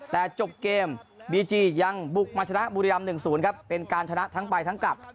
แต่จบเกมบีจียังบุกมาชนะบุรีรำ๑๐ครับเป็นการชนะทั้งไปทั้งกลับ